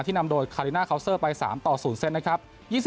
นำโดยคาริน่าคาวเซอร์ไป๓ต่อ๐เซตนะครับ